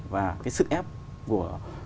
và cái sức ép của